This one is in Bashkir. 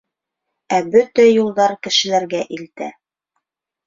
Ә бөтә юлдар кешеләргә илтә.